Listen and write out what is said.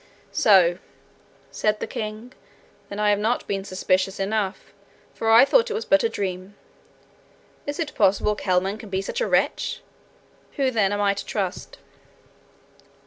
'So!' said the king. 'Then I have not been suspicious enough, for I thought it was but a dream! Is it possible Kelman can be such a wretch? Who then am I to trust?'